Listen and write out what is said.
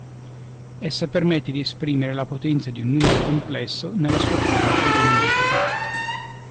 Essa permette di esprimere la potenza di un numero complesso nella sua forma trigonometrica.